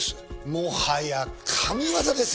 もはや神業です。